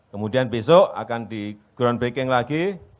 kemudian besok akan di groundbreaking lagi